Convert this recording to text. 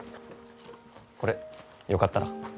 これよかったら。